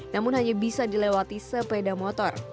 namun hanya bisa dilewati sepeda motor